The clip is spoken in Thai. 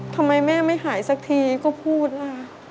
ทำไมแม่ไม่หายสักทีก็พูดล่ะ